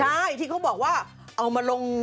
ใช่ที่เขาบอกว่าเอามาลง